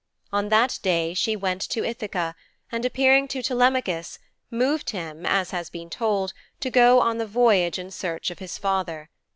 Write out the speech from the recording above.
On that day she went to Ithaka, and, appearing to Telemachus, moved him, as has been told, to go on the voyage in search of his father.